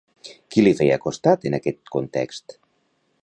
Qui li feia costat, en aquest context?